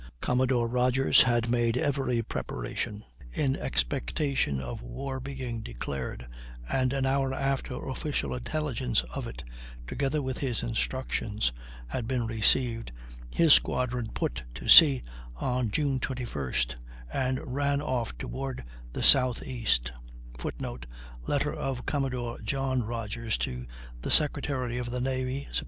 Commodore Rodgers had made every preparation, in expectation of war being declared, and an hour after official intelligence of it, together with his instructions, had been received, his squadron put to sea, on June 21st, and ran off toward the south east [Footnote: Letter of Commodore John Rodgers to the Secretary of the Navy, Sept.